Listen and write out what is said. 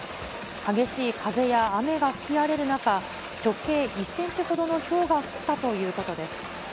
激しい風や雨が吹き荒れる中、直径１センチほどのひょうが降ったということです。